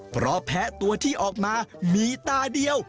เพราะแพ้ตัวที่ออกมามีตาเดียว